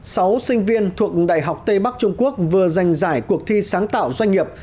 sáu sinh viên thuộc đại học tây bắc trung quốc vừa giành giải cuộc thi sáng tạo doanh nghiệp